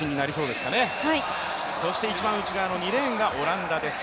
そして一番内側の２レーンがオランダです。